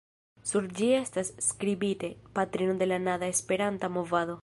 Sur ĝi estas skribite: "Patrino de la dana Esperanta movado".